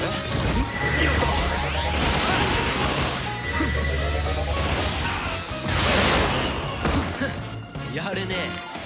フッやるねえ。